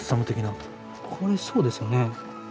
これそうですよね。